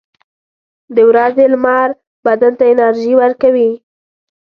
• د ورځې لمر بدن ته انرژي ورکوي.